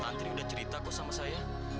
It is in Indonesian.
tanteri udah cerita kok sama saya